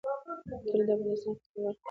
کلي د افغانستان په هره برخه کې شته.